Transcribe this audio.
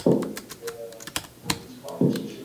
ايا ته د نورو عقيدو ته درناوی کوې؟